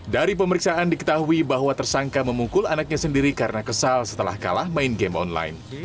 dari pemeriksaan diketahui bahwa tersangka memukul anaknya sendiri karena kesal setelah kalah main game online